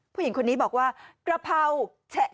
ผู้หญิงคนนี้บอกว่ากระเพราแฉะ